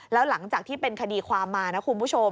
แล้วหลังจากที่เป็นคดีความมานะคุณผู้ชม